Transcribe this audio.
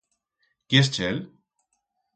Quiers chel?